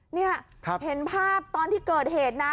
นี่เห็นภาพตอนที่เกิดเหตุนะ